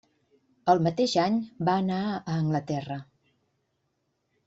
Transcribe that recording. El mateix any va anar a Anglaterra.